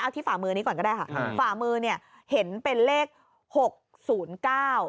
ที่ฝ่ามือนี้ก่อนก็ได้ค่ะอ่าฝ่ามือเนี่ยเห็นเป็นเลขหกศูนย์เก้า